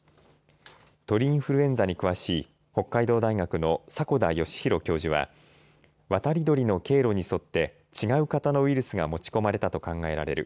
鳥インフルエンザに詳しい北海道大学の迫田義博教授は渡り鳥の経路に沿って違う型のウイルスが持ち込まれたと考えられる。